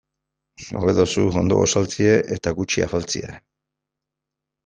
Hobe duzu ondo gosaltzea eta gutxi afaltzea.